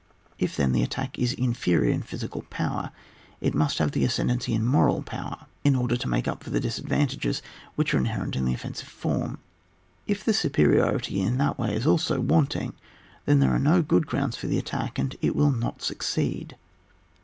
— If, then, the attack is inferior in physical power, it must have the ascendancy in moral power, in order to make up for the disadvantages which are inherent in the offensive form ; if the superiority in that way is also wanting, then there ore no good grounds for the attack, and it will not succeed.